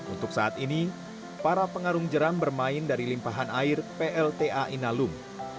untuk saat ini para pengarung jeram bermain dari limpahan air plta inalum